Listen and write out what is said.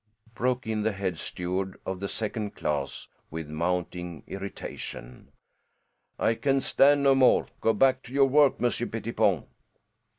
broke in the head steward of the second class with mounting irritation. "I can stand no more. Go back to your work, Monsieur Pettipon."